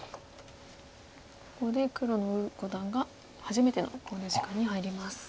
ここで黒の呉五段が初めての考慮時間に入ります。